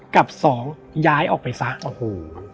กับสองย้ายออกไปซะโอ้โห